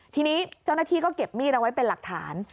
ทีนี้เจ้าหน้าที่ก็เก็บมีดเอาไว้เป็นหลักฐาน